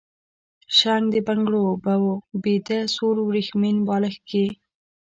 شرنګ د بنګړو، به و بیده سور وریښمین بالښت کي